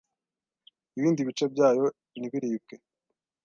ibindi bice byayo ntibiribwe.